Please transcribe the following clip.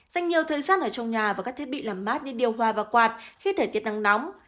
dành nhiều thời gian ở trong nhà và các thiết bị làm mát như điều hòa và quạt khi thời tiết nắng nóng